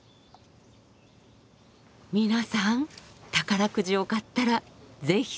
皆さん宝くじを買ったら是非佐賀へ。